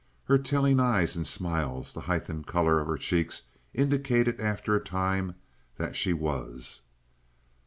Her telling eyes and smiles, the heightened color of her cheeks indicated after a time that she was.